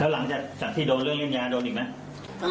หลังจากที่โดนเรื่องเล่นยาโดนอีกไหม